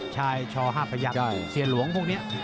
ชายช๕พยักษ์เสียหลวงพวกนี้